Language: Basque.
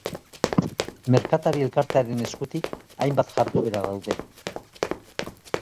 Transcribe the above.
Merkatari elkartearen eskutik hainbat jarduera daude.